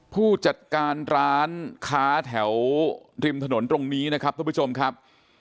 ผู้จัดการร้านค้าแถวริมถนนตรงนี้นะครับทุกผู้ชมครับ